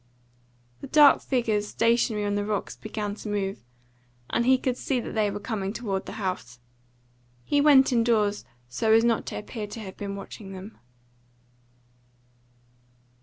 The dark figures, stationary on the rocks, began to move, and he could see that they were coming toward the house. He went indoors, so as not to appear to have been watching them.